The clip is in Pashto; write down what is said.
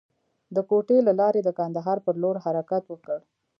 د کوټې له لارې د کندهار پر لور حرکت وکړ.